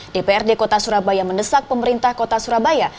dprd kota surabaya mendesak pemerintah kota surabaya